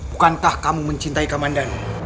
bukantah kamu mencintai kamandano